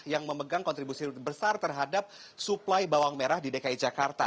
yang memegang kontribusi besar terhadap suplai bawang merah di dki jakarta